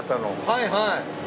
はいはい。